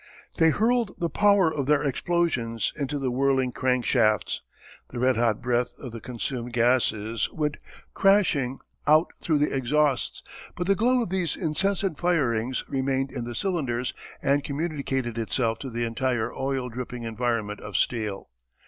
They hurled the power of their explosions into the whirling crankshafts. The red hot breath of the consumed gases went crashing out through the exhausts, but the glow of these incessant firings remained in the cylinders and communicated itself to the entire oil dripping environment of steel.